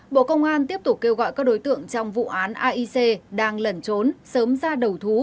bộ công an tiếp tục kêu gọi các đối tượng trong vụ án aic đang lẩn trốn ra đầu thú